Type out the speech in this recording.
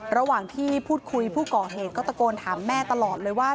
ระหว่างที่พูดคุยผู้ก่อเหตุก็ตะโกนถามแม่ตลอดเลยว่า